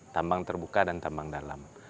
tambang terbuka dan tambang dalam